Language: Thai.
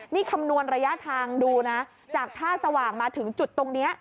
นี่คำนวณระยะทางดูนะจากท่าสว่างมาถึงจุดตรงนี้